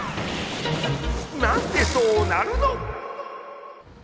なんでそなるのっ！